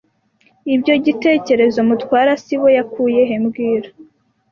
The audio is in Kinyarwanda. Ibyo gitekerezo Mutwara sibo yakuye he mbwira